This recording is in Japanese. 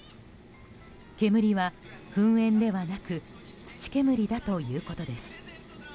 煙は噴煙ではなく土煙だということです。